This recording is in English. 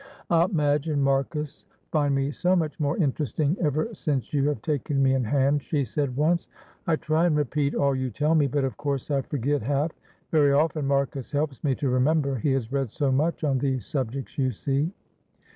"Aunt Madge and Marcus find me so much more interesting ever since you have taken me in hand," she said once. "I try and repeat all you tell me, but, of course, I forget half. Very often Marcus helps me to remember he has read so much on these subjects, you see."